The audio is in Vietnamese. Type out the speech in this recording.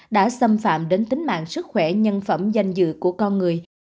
đã xâm phạm đến tính mạng sức khỏe nhân phẩm danh dự của con người